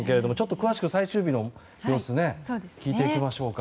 詳しく最終日の様子を聞いていきましょうか。